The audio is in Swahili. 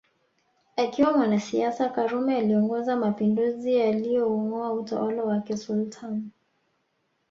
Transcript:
Akiwa mwanasiasa karume aliongoza mapinduzi yalioungoa utawala wa kisultan